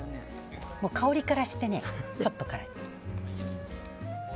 香りからしてね、ちょっと辛い。